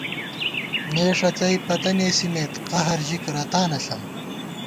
مے ݭڅَئ پتہ نېسِمېت قہر ژِک رتانہ ݪَم